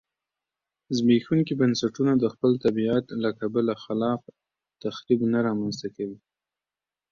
زبېښونکي بنسټونه د خپل طبیعت له کبله خلاق تخریب نه رامنځته کوي